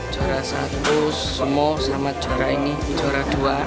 juara satu semua sama juara ini juara dua